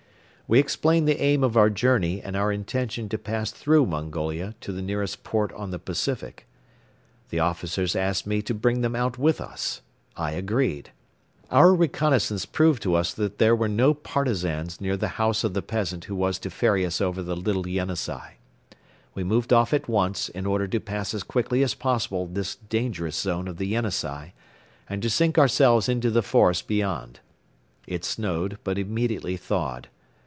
We explained the aim of our journey and our intention to pass through Mongolia to the nearest port on the Pacific. The officers asked me to bring them out with us. I agreed. Our reconnaissance proved to us that there were no Partisans near the house of the peasant who was to ferry us over the Little Yenisei. We moved off at once in order to pass as quickly as possible this dangerous zone of the Yenisei and to sink ourselves into the forest beyond. It snowed but immediately thawed.